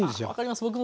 あ分かります。